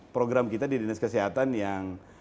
program kita di dinas kesehatan yang